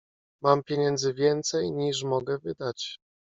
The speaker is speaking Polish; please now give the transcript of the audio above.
"Mam pieniędzy więcej, niż mogę wydać."